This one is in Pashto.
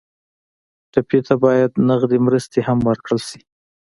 ټپي ته باید نغدې مرستې هم ورکړل شي.